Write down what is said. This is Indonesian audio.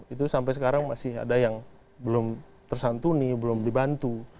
itu sampai sekarang masih ada yang belum tersantuni belum dibantu